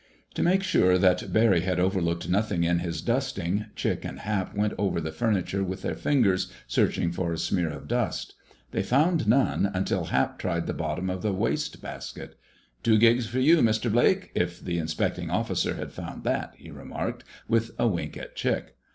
To make sure that Barry had overlooked nothing in his dusting, Chick and Hap went over the furniture with their fingers, searching for a smear of dust. They found none, until Hap tried the bottom of the waste basket. "Two 'gigs' for you, Mister Blake—if the inspecting officer had found that," he remarked, with a wink at Chick.